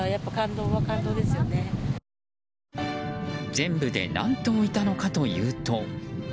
全部で何頭いたのかというと。